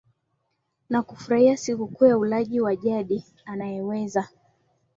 na kufurahia sikukuu ya ulaji wa jadi anayeweza